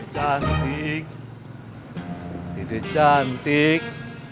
cantik tidak cantik